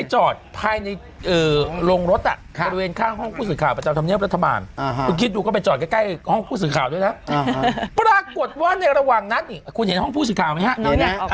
ห้องผู้สื่อข่าวด้วยนะปรากฏว่าในระหว่างนั้นคุณเห็นห้องผู้สื่อข่าวไหมฮะ